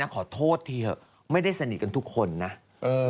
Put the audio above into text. คือคนก็ไม่ได้สนิทกันมาก